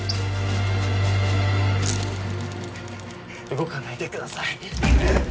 動かないでください